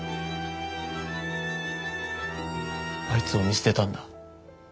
あいつを見捨てたんだ。